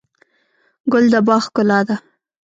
ګل د باغ ښکلا ده.